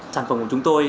sản phẩm của chúng tôi